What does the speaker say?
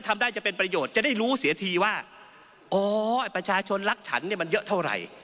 ไม่เอาฉันเนี่ยมันเท่าไหร่